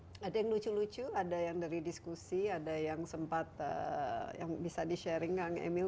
ada yang lucu lucu ada yang dari diskusi ada yang sempat yang bisa di sharing kang emil